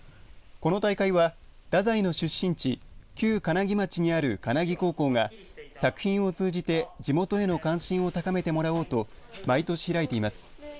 この大会は太宰の出身地旧金木町にある金木高校が作品を通じて地元への関心を高めてもらおうと毎年開いています。